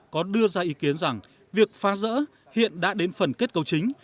có đưa ra ý kiến rằng việc phá rỡ hiện đã đến phần kết cấu chính